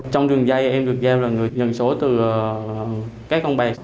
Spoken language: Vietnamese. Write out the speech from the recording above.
trong đường dây em được giao là người nhận số từ các con bạc